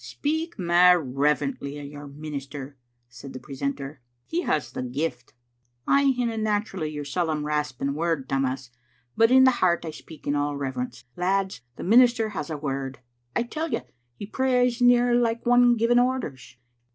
"Speak mair reverently o' your minister," said the precentor. " He has the gift. " Digitized by VjOOQ IC •' I hinna naturally your solemn rasping word, Taxn mas, but in the heart I speak in all reverence. Lads, the minister has a word! I tell you he prays near like one giving orders.